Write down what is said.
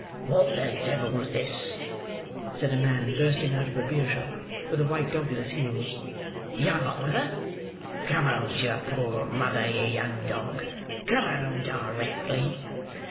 "What the devil's this?" said a man, bursting out of a beer shop, with a white dog at his heels; "young Oliver! Come home to your poor mother, you young dog! Come home directly."